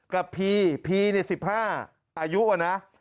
กับพีพีเนี่ย๑๕อายุอะนะ